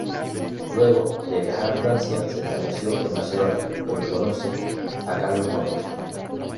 Luego de viajar a Francia, se estableció en Barcelona, donde conoce a Carlos Conti.